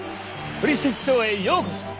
「トリセツショー」へようこそ！